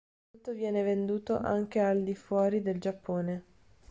Il prodotto viene venduto anche al di fuori del Giappone.